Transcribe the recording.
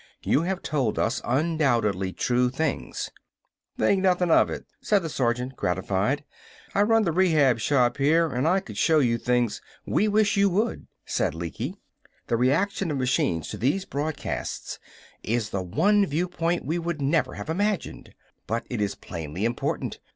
You have told us undoubtedly true things." "Think nothin' of it," said the sergeant, gratified. "I run the Rehab Shop here, and I could show you things " "We wish you to," said Lecky. "The reaction of machines to these broadcasts is the one viewpoint we would never have imagined. But it is plainly important.